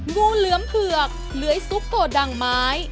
งูเหลือมเผือกเลื้อยซุปโกดังไม้